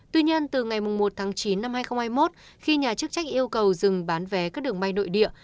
tuy nhiên từ ngày một tháng chín năm hai nghìn hai mươi một khi nhà chức trách yêu cầu dừng bán vé các đường bay nội địa